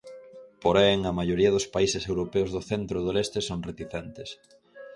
Porén, a maioría dos países europeos do centro e do leste son reticentes.